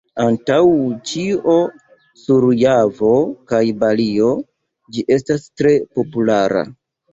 Antaŭ ĉio sur Javo kaj Balio ĝi estas tre populara.